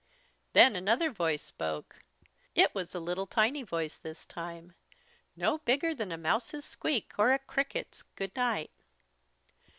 Then another voice spoke. It was a little tiny voice this time no bigger than a mouse's squeak or a cricket's "Good night."